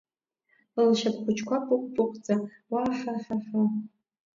Лшьап хәыҷқәа пыҟә-пыҟәӡа, уаа-ҳа, ҳаа-ҳаа!